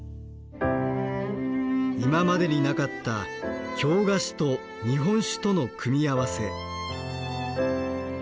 今までになかった京菓子と日本酒との組み合わせ。